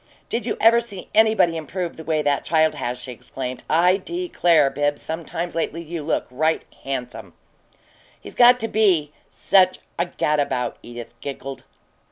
"Did you ever see anybody improve the way that child has!" she exclaimed. "I declare, Bibbs, sometimes lately you look right handsome!" "He's got to be such a gadabout," Edith giggled.